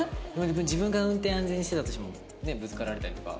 自分が運転安全にしてたとしてもぶつかられたりとか。